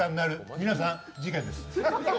皆さん、事件です。